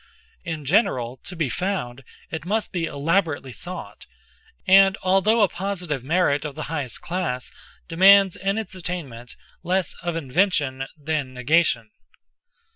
In general, to be found, it must be elaborately sought, and although a positive merit of the highest class, demands in its attainment less of invention than negation.